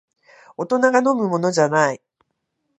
大人が飲むものじゃない